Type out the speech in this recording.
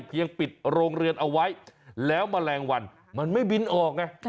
ปิดโรงเรือนเอาไว้แล้วแมลงวันมันไม่บินออกไง